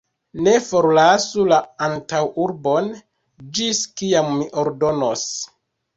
Ne forlasu la antaŭurbon, ĝis kiam mi ordonos!